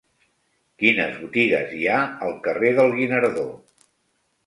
Quines botigues hi ha al carrer del Guinardó?